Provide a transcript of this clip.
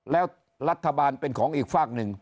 แล้วรัฐบาลเป็นของอีกฝากหนึ่ง